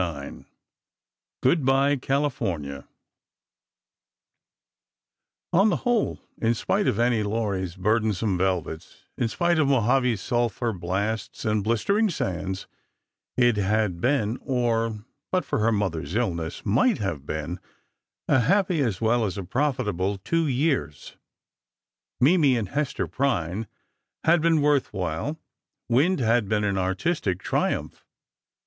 IX GOOD BYE, CALIFORNIA On the whole, in spite of "Annie Laurie's" burdensome velvets, in spite of Mojave's sulphur blasts and blistering sands, it had been—or, but for her mother's illness, might have been—a happy as well as a profitable two years. Mimi and Hester Prynne had been worth while. "Wind" had been an artistic triumph.